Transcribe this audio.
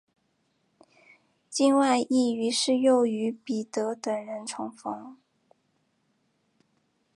金万燮于是又与彼得等人重逢。